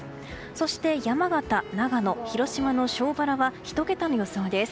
そして、山形、長野広島の庄原は１桁の予想です。